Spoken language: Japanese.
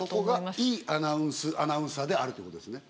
そこがいいアナウンスアナウンサーであるということですね。